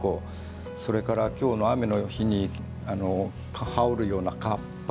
それから、今日の雨の日に羽織るようなかっぱ。